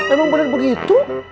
emang bener begitu